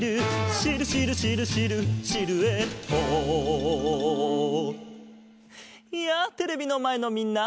「シルシルシルシルシルエット」やあテレビのまえのみんな！